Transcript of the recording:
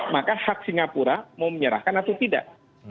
maka hak singapura mau menyerahkan atau tidak